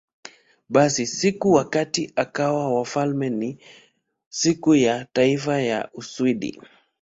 Basi, siku wakati akawa wafalme ni Siku ya Taifa ya Uswidi.